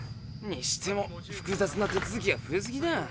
にしても複雑な手続きが増えすぎだ。